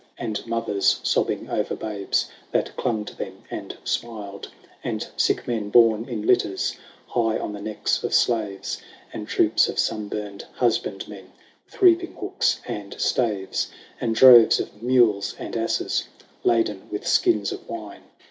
And mothers sobbing over babes That clung to them and smiled. And sick men borne in litters High on the necks of slaves. And troops of sun burned husbandmen With reaping hooks and staves. XV, And droves of mules and asses Laden with skins of wine.